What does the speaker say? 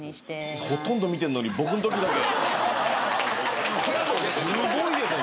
ほとんど見てんのに僕のときだけ⁉すごいですね